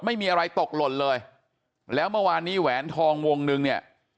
ไม่มีอะไรตกหล่นเลยแล้วเมื่อวานนี้แหวนทองวงนึงเนี่ย